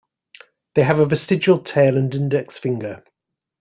They have a vestigial tail and index finger.